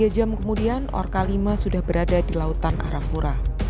tiga jam kemudian orka lima sudah berada di lautan arafura